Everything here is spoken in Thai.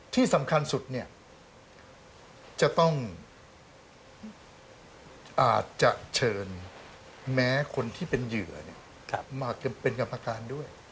ที่สำคัญสุดเนี่ยจะต้องอาจจะเชิญแม้คนที่เป็นเหยื่อมาเป็นกรรมการด้วย